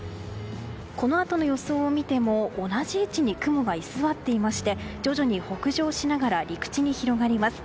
このあとの予想を見ても同じ位置に雲が居座っていまして徐々に北上しながら陸地に広がります。